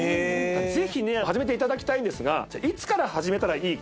ぜひ始めていただきたいんですがいつから始めたらいいか。